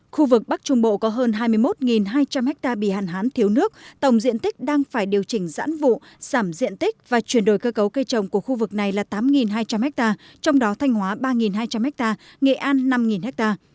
khu vực bắc trung bộ có hơn hai mươi một hai trăm linh ha bị hạn hán thiếu nước tổng diện tích đang phải điều chỉnh giãn vụ giảm diện tích và chuyển đổi cơ cấu cây trồng của khu vực này là tám hai trăm linh ha trong đó thanh hóa ba hai trăm linh ha nghệ an năm ha